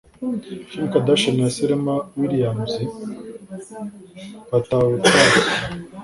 Kim Kardashian na Serena Williams batabutashye